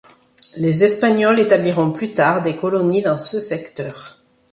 Les Espagnols établiront plus tard des colonies dans ce secteur.